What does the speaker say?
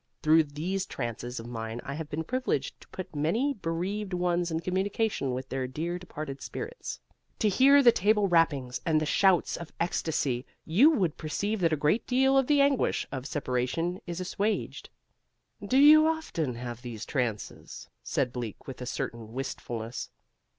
Through these trances of mine I have been privileged to put many bereaved ones in communication with their dear departed spirits. To hear the table rappings and the shouts of ecstasy you would perceive that a great deal of the anguish of separation is assuaged." "Do you often have these trances?" said Bleak, with a certain wistfulness.